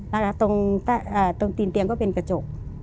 แล้วก็ตรงตีนเตียงก็เป็นกระจก